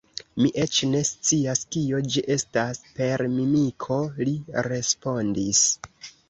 Mi eĉ ne scias, kio ĝi estas « per mimiko », li respondis.